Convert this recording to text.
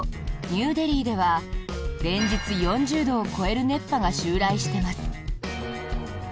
ニューデリーでは連日４０度を超える熱波が襲来してます。